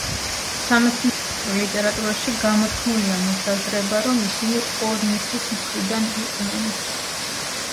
სამეცნიერო ლიტერატურაში გამოთქმულია მოსაზრება რომ ისინი ყორნისის მხრიდან იყვნენ.